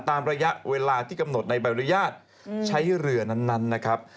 ตามระยะเวลาที่กำหนดในใบอนุญาตใช้เรือนั้นนะครับ